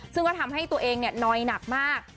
ซึ่งก็ทำให้ตัวเองนอยหนักมาก